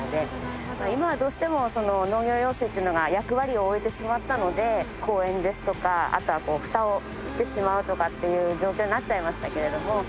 今はどうしても農業用水っていうのが役割を終えてしまったので公園ですとかあとはこうフタをしてしまうとかっていう状況になっちゃいましたけれども。